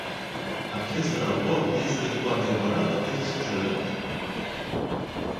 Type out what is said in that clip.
Acest raport este cu adevărat excelent!